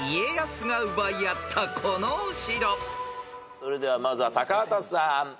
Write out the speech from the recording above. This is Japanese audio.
それではまずは高畑さん。